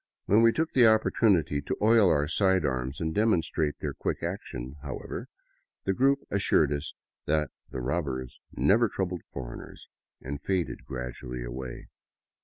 When we took the opportunity to oil our side arms and demonstrate their quick action, however, the group assured us that the robbers never troubled foreigners, and faded gradually away.